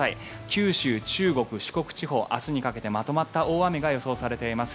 九州、中国、四国地方明日にかけてまとまった大雨が予想されています。